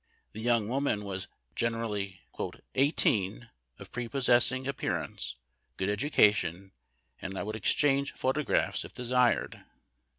The young woman was generally "eighteen, of prepossessing appearance, good education, and would exchange photographs if desired."